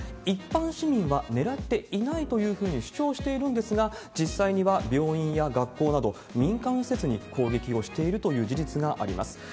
一般市民は狙っていないというふうに主張しているんですが、実際には病院や学校など、民間施設に攻撃をしているという事実があります。